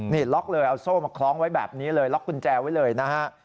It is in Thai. นี่ล็อกเลยเอาโซ่มาคล้องไว้แบบนี้เลยล็อกกุญแจไว้เลยนะฮะ